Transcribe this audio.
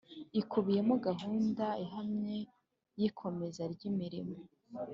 ikubiyemo gahunda ihamye y ikomeza ry imirimo